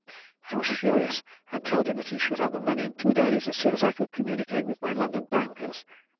I was furious, and told him he should have the money in two days, as soon as I could communicate with my London bankers.